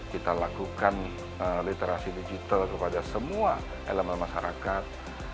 kita lakukan literasi digital kepada semua elemen masyarakat